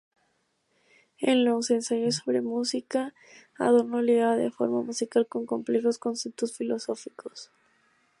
En los ensayos sobre música, Adorno ligaba la forma musical con complejos conceptos filosóficos.